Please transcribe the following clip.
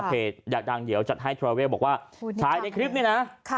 คนดั่งเหี่ยวออกให้พิมพ์มาบอกว่าถ่ายในคลิปนี้นะ